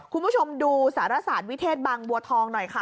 คุณผู้ชมดูสารศาสตร์วิเทศบางบัวทองหน่อยค่ะ